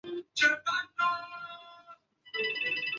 但是叶公陵园在建造中也存在拖欠农民工工资问题。